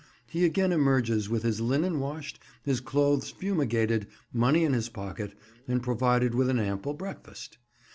He again emerges with his linen washed, his clothes fumigated, money in his pocket, and provided with an ample breakfast.